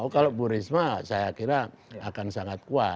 kalau bu risma saya kira akan sangat kuat